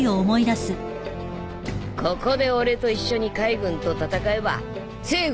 ここで俺と一緒に海軍と戦えば政府に盾突く悪党だ